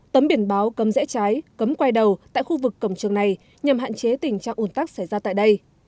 tấm biển báo cấm rẽ trái cấm quay đầu tại khu vực cổng trường này nhằm hạn chế tình trạng ủn tắc xảy ra tại đây